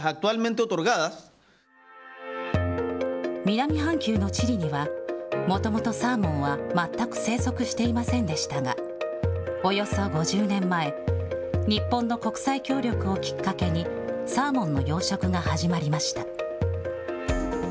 南半球のチリには、もともとサーモンは全く生息していませんでしたが、およそ５０年前、日本の国際協力をきっかけに、サーモンの養殖が始まりました。